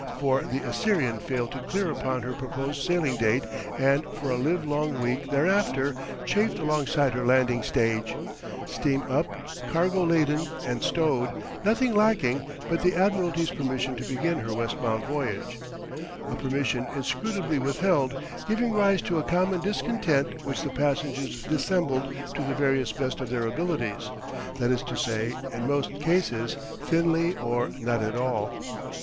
For the Assyrian failed to clear upon her proposed sailing date and for a livelong week thereafter chafed alongside her landing stage, steam up, cargo laden and stowed, nothing lacking but the Admiralty's permission to begin her westbound voyage a permission inscrutably withheld, giving rise to a common discontent which the passengers dissembled to the various best of their abilities, that is to say, in most cases thinly or not at all.